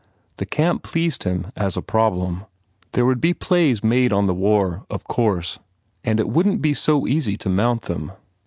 The camp pleased him as a problem. There would be plays made on the war, of course, and it wouldn t be easy to mount them.